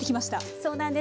そうなんです。